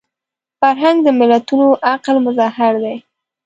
فرهنګ د ملتونو عقل مظهر دی